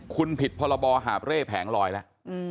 คุณผิดพรบหาบเร่แผงลอยแล้ว